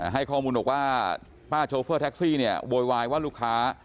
ให้ข้อมูลบอกว่าป้าโชเฟอร์แท็กซี่เนี่ยโวยวายว่าลูกค้า